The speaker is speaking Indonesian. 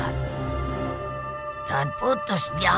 aku setelah menolong osisa